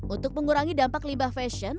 untuk mengurangi dampak limbah fashion